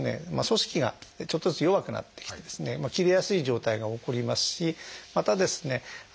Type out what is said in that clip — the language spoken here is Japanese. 組織がちょっとずつ弱くなってきてですね切れやすい状態が起こりますしまたですね